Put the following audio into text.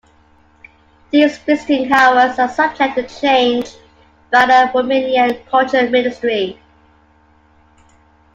These visiting hours are subject to change by the Romanian Culture Ministry.